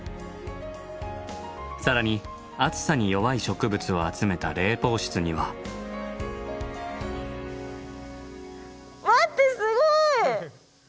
更に暑さに弱い植物を集めた冷房室には。待って。